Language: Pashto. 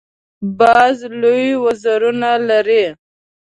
باز لوی وزرونه لري